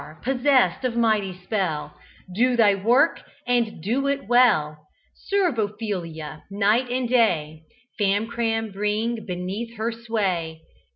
possessed of mighty spell, Do thy work, and do it well. Serve Ophelia night and day Famcram bring beneath her sway.